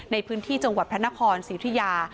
ในพื้นที่จังหวัดพระนครสิทธิา